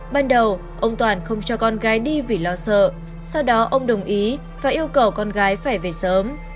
ban đầu ông toàn không cho con gái đi vì lo sợ sau đó ông đồng ý và yêu cầu con gái phải về sớm